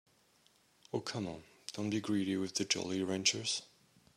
Oh, come on, don't be greedy with the Jolly Ranchers.